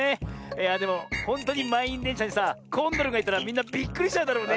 いやでもほんとうにまんいんでんしゃにさコンドルがいたらみんなびっくりしちゃうだろうね。